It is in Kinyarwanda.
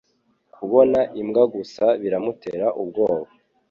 Kubona imbwa gusa biramutera ubwoba.